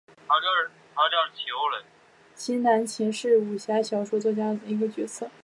秦南琴是武侠小说作家金庸笔下的其中一个角色。